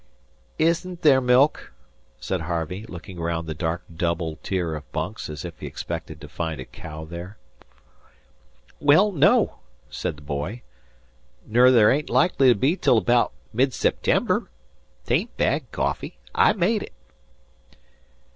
"Isn't there milk?" said Harvey, looking round the dark double tier of bunks as if he expected to find a cow there. "Well, no," said the boy. "Ner there ain't likely to be till 'baout mid September. 'Tain't bad coffee. I made it."